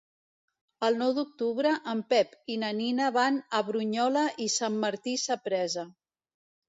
El nou d'octubre en Pep i na Nina van a Brunyola i Sant Martí Sapresa.